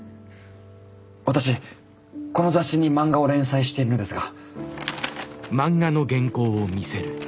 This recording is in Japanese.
私この雑誌に漫画を連載しているのですが。